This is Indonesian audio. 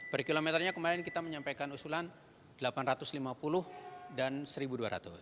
per kilometernya kemarin kita menyampaikan usulan rp delapan ratus lima puluh dan rp satu dua ratus